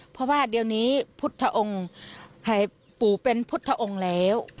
เพราะว่าเดี๋ยวนี้พุทธองค์ให้ปู่เป็นพุทธองค์แล้ว